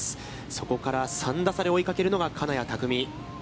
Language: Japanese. そこから３打差で追いかけるのが金谷拓実。